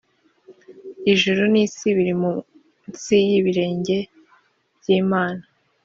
ijuru ni si biri munsi yibirenge by’imana